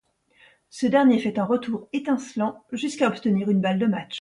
Ce dernier fait un retour étincelant jusqu'à obtenir une balle de match.